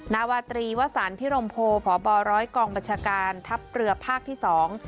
นาวาตรีวสันพิรมโพพบร้อยกองบัญชาการทัพเรือภาคที่สอง